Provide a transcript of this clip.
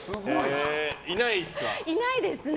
いないですか。